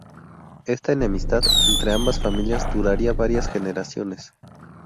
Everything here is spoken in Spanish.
Esta enemistad entre ambas familias duraría varias generaciones.